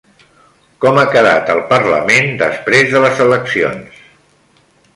Com ha quedat el parlament després de les eleccions?